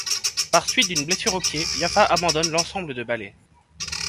Par suite d'une blessure au pied, Yafa abandonne l'ensemble de ballet.